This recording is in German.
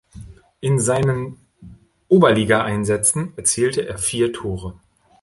In seinen Oberligaeinsätzen erzielte er vier Tore.